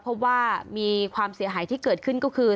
พบว่ามีความเสียหายที่เกิดขึ้นก็คือ